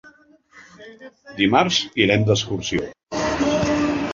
Dimarts irem d'excursió.